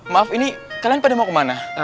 maaf ini kalian pada mau kemana